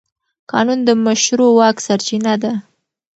قانون د مشروع واک سرچینه ده.